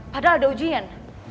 padahal ada ujian